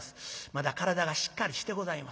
まだ体がしっかりしてございません。